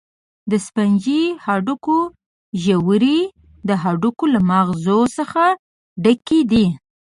د سفنجي هډوکو ژورې د هډوکو له مغزو څخه ډکې دي.